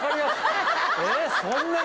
えっそんなに？